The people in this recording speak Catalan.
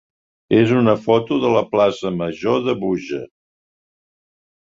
és una foto de la plaça major de Búger.